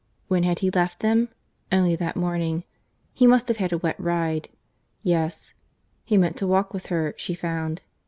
—When had he left them?—Only that morning. He must have had a wet ride.—Yes.—He meant to walk with her, she found.